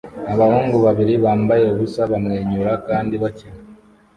Abahungu babiri bambaye ubusa bamwenyura kandi bakina